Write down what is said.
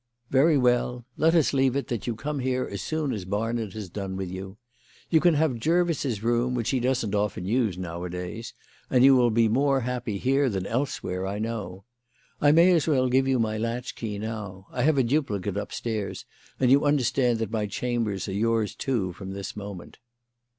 "Very well. Let us leave it that you come here as soon as Barnard has done with you. You can have Jervis's room, which he doesn't often use nowadays, and you will be more happy here than elsewhere, I know. I may as well give you my latchkey now. I have a duplicate upstairs, and you understand that my chambers are yours too from this moment."